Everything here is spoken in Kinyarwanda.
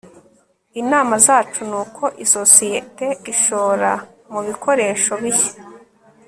Inama zacu nuko isosiyete ishora mubikoresho bishya